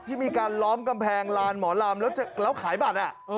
ที่มีการล้อมกำแพงลานหมอลำแล้วขายบัตร